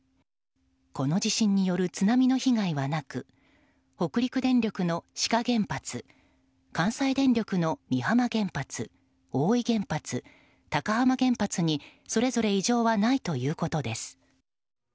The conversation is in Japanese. この地震による津波の被害はなく北陸電力の志賀原発関西電力の美浜原発大飯原発、高浜原発にそれぞれ異常はないということです。